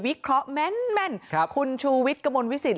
เคราะห์แม่นคุณชูวิทย์กระมวลวิสิต